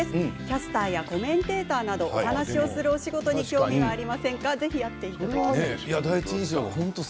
キャスターやコメンテーターなどお話をする仕事に興味がありませんか？といただきました。